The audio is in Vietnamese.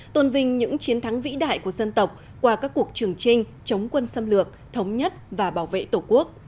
tôn vinh những chiến thắng vĩ đại của dân tộc qua các cuộc trường trinh chống quân xâm lược thống nhất và bảo vệ tổ quốc